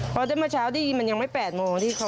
เพราะว่าเมื่อเช้าได้ยินมันยังไม่๘โมง